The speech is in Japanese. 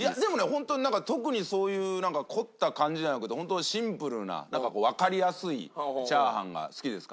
本当になんか特にそういうなんか凝った感じじゃなくて本当シンプルなわかりやすいチャーハンが好きですかね。